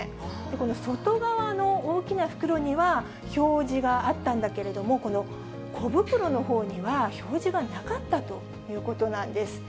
この外側の大きな袋には表示があったんだけれども、小袋のほうには表示がなかったということなんです。